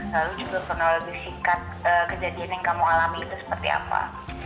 lalu juga kronologi singkat kejadian yang kamu alami itu seperti apa